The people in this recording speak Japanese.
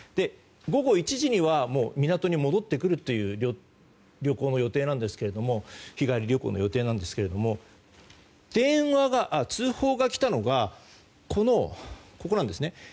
午後１時には港に戻ってくる旅行の予定ですが日帰り旅行の予定なんですけど通報が来たのがここなんですね。